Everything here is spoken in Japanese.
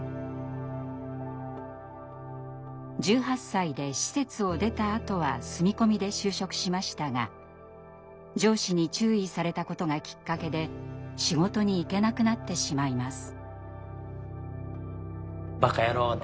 １８歳で施設を出たあとは住み込みで就職しましたが上司に注意されたことがきっかけで仕事に行けなくなってしまいます。